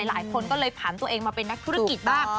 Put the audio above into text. หลายคนก็เลยผ่านตัวเองมาเป็นนักธุรกิจบ้าง